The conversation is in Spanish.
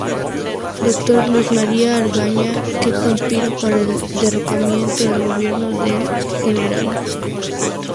Dr. Luis María Argaña que conspiraron para el derrocamiento del gobierno del Gral.